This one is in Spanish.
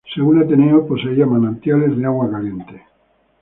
Según Ateneo, poseía manantiales de agua caliente.